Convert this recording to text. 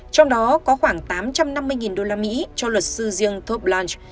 trong đó có khoảng tám trăm năm mươi đô la mỹ cho luật sư riêng thorpe blanch